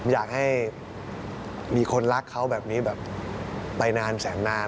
อยากให้มีคนรักเขาแบบนี้แบบไปนานแสนนาน